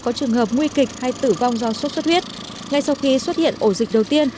có trường hợp nguy kịch hay tử vong do sốt xuất huyết ngay sau khi xuất hiện ổ dịch đầu tiên